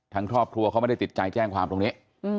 ทางครอบครัวเขาไม่ได้ติดใจแจ้งความตรงนี้